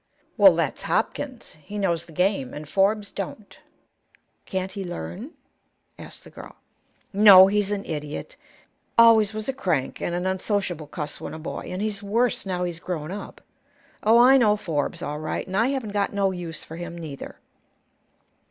"Well, that's Hopkins. He knows the game, and Forbes don't." "Can't he learn?" asked the girl. "No. He's an idiot. Always was a crank and an unsociable cuss when a boy, and he's worse now he's grown up. Oh, I know Forbes, all right; and I haven't got no use for him, neither."